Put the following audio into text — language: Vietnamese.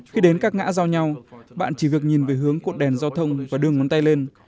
khi đến các ngã giao nhau bạn chỉ việc nhìn về hướng của đèn giao thông và đưa ngón tay lên